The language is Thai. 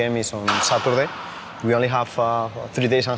เราเพียงด๓วันเด็กแล้วโดยที่หมด